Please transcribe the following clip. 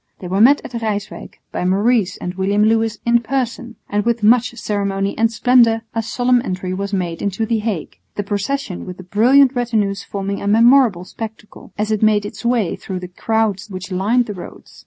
They were met at Ryswyck by Maurice and William Lewis in person, and with much ceremony and splendour a solemn entry was made into the Hague, the procession with the brilliant retinues forming a memorable spectacle, as it made its way through the crowds which lined the roads.